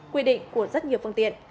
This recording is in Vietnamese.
quy định của rất nhiều phương tiện